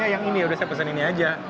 yang ini yaudah saya pesan ini aja